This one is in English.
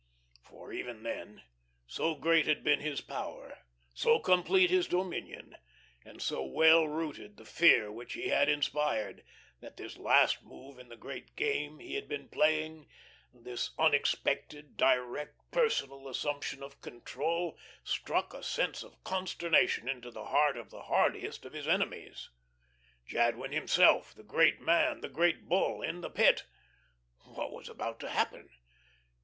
For even then, so great had been his power, so complete his dominion, and so well rooted the fear which he had inspired, that this last move in the great game he had been playing, this unexpected, direct, personal assumption of control struck a sense of consternation into the heart of the hardiest of his enemies. Jadwin himself, the great man, the "Great Bull" in the Pit! What was about to happen?